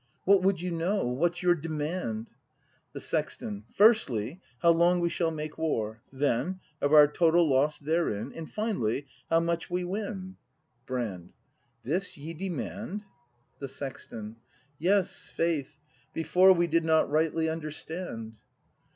] What would you know ? What's your demand ? The Sexton. Firstly, how long we shall make war. Then, of our total loss therein. And finally, — how much we win ? 270 BRAND [act v Brand. This ye demand ? The Sexton. Yes, 'faith; before We did not rightly understand.